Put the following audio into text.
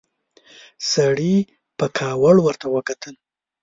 سړي په کاوړ ورته وکتل.